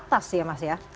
batas sih ya mas ya